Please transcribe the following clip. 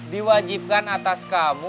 diwajibkan atas kau